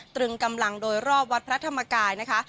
ตรึงกำลังโดยรอบวัดพระธรรมกายนะคะ